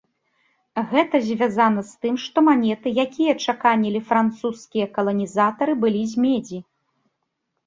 Гэта звязана з тым, што манеты, якія чаканілі французскія каланізатары, былі з медзі.